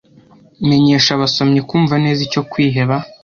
Menyesha abasomyi kumva neza icyo kwiheba